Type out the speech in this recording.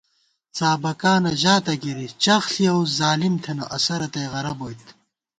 څابَکانہ ژاتہ گِری، چخ ݪِیَوُس ظالِم تھنہ، اسہ رتئ غرہ بوئیت